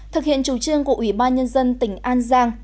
thực hiện chủ trương của ủy ban nhân dân tỉnh an giang